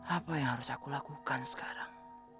apa yang harus aku lakukan sekarang